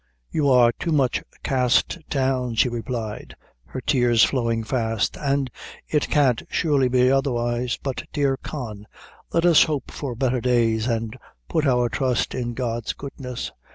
"You are too much cast down," she replied, her tears flowing fast, "an' it can't surely be otherwise; but, dear Con, let us hope for better days an' put our trust in God's goodness."